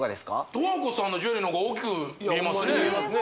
十和子さんのジュエリーのほうが大きく見えますね